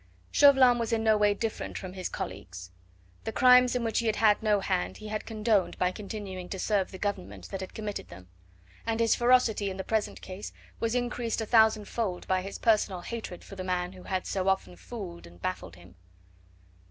Chauvelin was in no way different from his colleagues; the crimes in which he had had no hand he had condoned by continuing to serve the Government that had committed them, and his ferocity in the present case was increased a thousandfold by his personal hatred for the man who had so often fooled and baffled him.